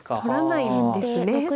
取らないんですね。